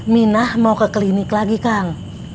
minah mau ke klinik lagi kang